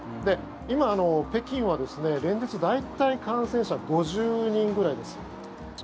今、北京は連日大体、感染者５０人ぐらいです。